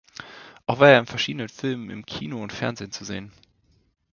Auch war er in verschiedenen Filmen im Kino und Fernsehen zu sehen.